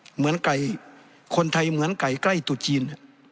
เหมือนไก่คนไทยเหมือนไก่ใกล้ตุจีน